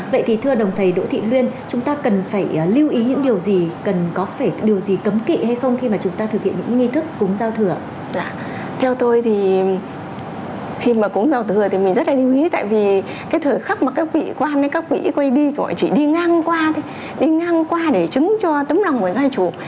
với tôi thì khi mà cúng giao thừa thì mình rất là lưu ý tại vì cái thời khắc mà các vị quan các vị quay đi chỉ đi ngang qua đi ngang qua để chứng cho tấm lòng của gia chủ